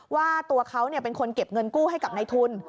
ว่าตัวเขาเป็นคนเก็บเงินกู้ให้กับในทุน